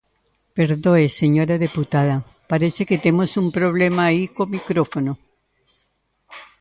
Perdoe, señora deputada, parece que temos un problema aí co micrófono.